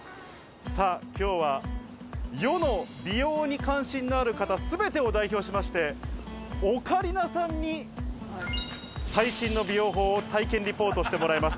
さぁ、今日は世の美容に関心のある方、すべてを代表しまして、オカリナさんに最新の美容法を体験リポートしてもらいます。